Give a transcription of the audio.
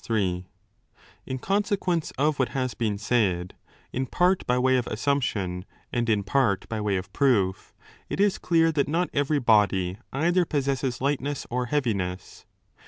269° DE CAELO In consequence of what has been said, in part by way of 3 assumption and in part by way of proof, it is clear that not 20 every body either possesses lightness or heaviness.